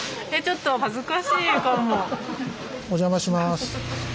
お邪魔します。